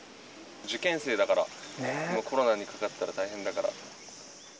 受験生だから、コロナにかかったら大変だから。